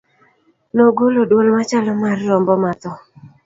nogolo dwol machalo mar rombo ma tho